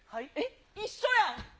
一緒やん。